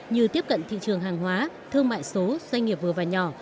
như tiếp cận thị trường hàng hóa thương mại số doanh nghiệp vừa và nhỏ